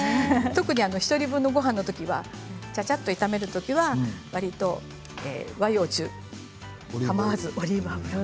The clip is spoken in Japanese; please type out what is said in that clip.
特に１人分のごはんのときはちゃちゃっと炒めるときはわりと和洋中かまわずオリーブ油。